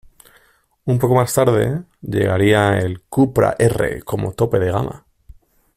Un poco más tarde llegaría el Cupra R como tope de gama.